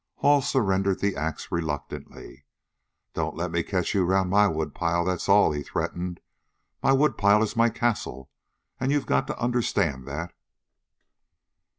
Hall surrendered the axe reluctantly. "Don't let me catch you around my wood pile, that's all," he threatened. "My wood pile is my castle, and you've got to understand that."